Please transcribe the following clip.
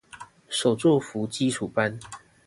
手作服基礎班